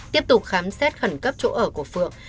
tiếp tục khám xét khẩn cấp chỗ ở của phượng